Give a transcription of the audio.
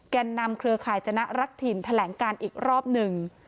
แก่นนำเครือข่ายจนะรักถิ่นแถลงการอีกรอบหนึ่ง